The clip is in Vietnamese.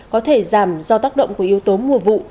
có thể giảm do tác động của yếu tố mùa vụ